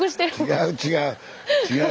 違う違う。